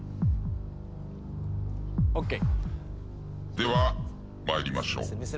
では参りましょう。